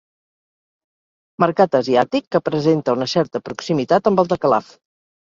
Mercat asiàtic que presenta una certa proximitat amb el de Calaf.